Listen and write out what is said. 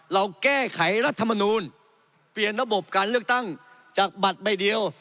เราแก้ไขรัฐมนูลเปลี่ยนระบบการเลือกตั้งจากบัตรใบเดียว